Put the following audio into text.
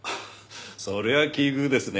それは奇遇ですね。